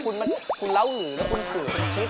แล้วคุณเล่าหืนแล้วคุณฝืนคุณชิบ